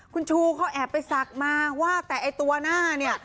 คุณชูเขาแอบไปศักดิ์มาว่าแต่ไอ้ตัวหน้าเนี่ย